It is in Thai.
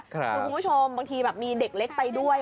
คุณผู้ชมบางทีแบบมีเด็กเล็กไปด้วย